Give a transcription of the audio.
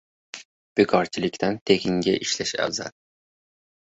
• Bekorchilikdan tekinga ishlash afzal.